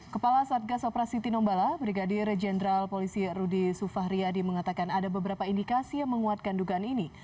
kepala satgas operasi tinombala brigadir jenderal polisi rudy sufahriyadi mengatakan ada beberapa indikasi yang menguatkan dugaan ini